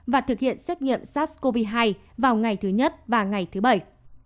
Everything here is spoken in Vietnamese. và thực hiện xét nghiệm sars cov hai vào ngày thứ nhất và ngày thứ bảy